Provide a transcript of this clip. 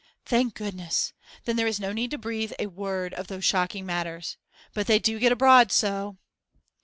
'Thank goodness! Then there is no need to breathe a word of those shocking matters. But they do get abroad so!